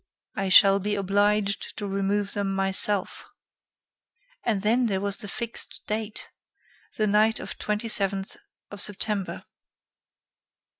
"I shall be obliged to remove them myself." And then there was the fixed date: the night of 27 September.